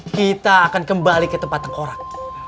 kita akan kembali ke tempat tengkorak